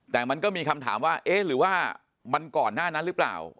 แต่มันก็มีคำถามว่าเอ๊ะหรือว่ามันก่อนหน้านั้นหรือเปล่า